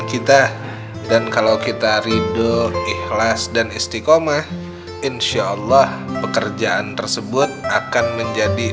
kita dan kalau kita ridho ikhlas dan istiqomah insyaallah pekerjaan tersebut akan menjadi